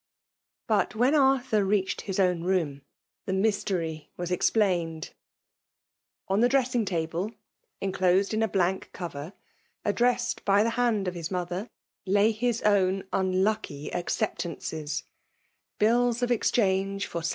But when Arthur reached his own room, the mystery was explained. On the dressing taUe, inclosed in a blank cover, addressed by the hand of his mother, lay his own unlucky ac FBBCALB DOMINATION. 289 ceptances ;— bills of exchange for 700